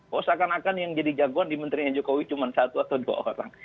bahwa seakan akan yang jadi jagoan di menterinya jokowi cuma satu atau dua orang